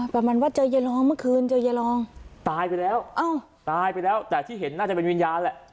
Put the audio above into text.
ประมาณว่าเจอยายรองเมื่อคืนเจอยายรองตายไปแล้วอ้าวตายไปแล้วแต่ที่เห็นน่าจะเป็นวิญญาณแหละ